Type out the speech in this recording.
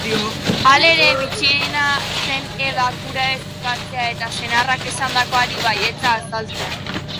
Halere, bitxiena zen Ebak hura ez ukatzea eta senarrak esandakoari baietza azaltzea.